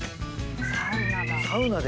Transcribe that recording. サウナだ。